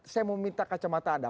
saya mau minta kacamata anda